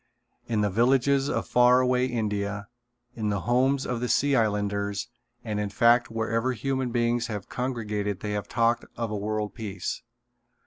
In the villages of far away India, in the homes of the Sea Islanders and in fact wherever human beings have congregated they have talked of a world peace.